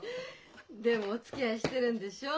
でもおつきあいしてるんでしょう？